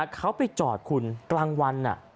เขาไปจอดคุณกลางวัน